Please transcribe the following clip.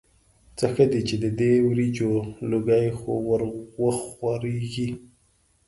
ځه ښه دی چې د دې وریجو لوګي خو ورخوريږي.